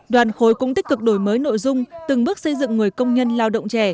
đoàn khối cũng tích cực đổi mới nội dung từng bước xây dựng người công nhân lao động trẻ